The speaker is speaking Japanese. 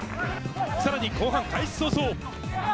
さらに後半開始早々。